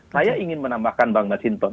saya ingin menambahkan bang basinton